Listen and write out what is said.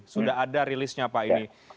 sudah ada rilisnya pak ini